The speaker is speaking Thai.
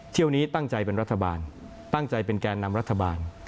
เที่ยวนี้ตั้งใจเป็นรัฐบาลตั้งใจเป็นแก่นำรัฐบาล